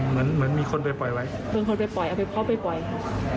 เหมือนเหมือนมีคนไปปล่อยไว้บางคนไปปล่อยเอาไปเขาไปปล่อยค่ะ